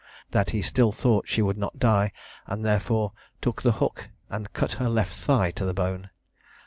That he still thought she would not die, and therefore took the hook and cut her left thigh to the bone.